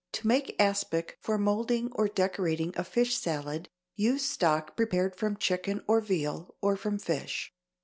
To make aspic for moulding or decorating a fish salad, use stock prepared from chicken or veal, or from fish.